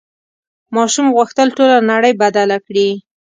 ماشوم غوښتل ټوله نړۍ بدله کړي.